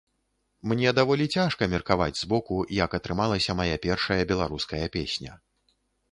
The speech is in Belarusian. Мне даволі цяжка меркаваць збоку, як атрымалася мая першая беларуская песня.